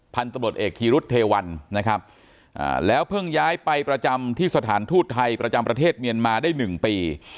พันธุ์ตำรวจเอกธีรุษเทวันนะครับแล้วเพิ่งย้ายไปประจำที่สถานทูตไทยประจำประเทศเมียนมาได้๑ปี